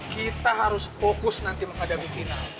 kita harus fokus nanti menghadapi final